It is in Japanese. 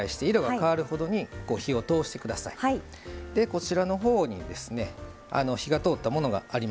こちらのほうにですね火が通ったものがあります。